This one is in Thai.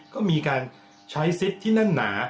ก็มีการใช้ซิปที่นั่นหนา